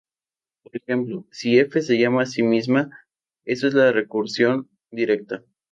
Por ejemplo, si f se llama a sí misma, eso es la recursión directa.